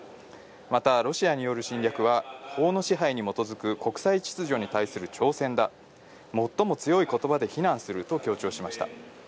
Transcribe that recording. またロシアによる侵略は、法の支配に基づく国際秩序に対する挑戦だ、最も強いことばで非難すると強調しました。